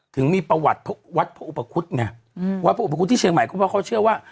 ถึงมีประวัติวัดพระอุปคุฎไงวัดพระอุปคุฎที่เชียงใหม่ก็เพราะเขาเชื่อว่า